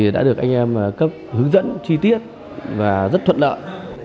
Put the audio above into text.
đã được anh em cấp hướng dẫn chi tiết và rất thuận lợi